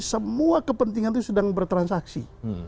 semua kepentingan itu sedang bertransaksi